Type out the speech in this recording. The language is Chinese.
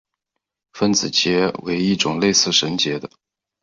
分子结为一种类似绳结的。